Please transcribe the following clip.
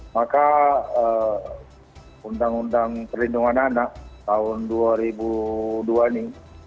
maka undang undang perlindungan anak tahun dua ribu dua ini